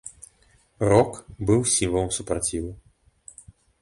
Рок быў сімвалам супраціву.